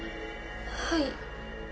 はい。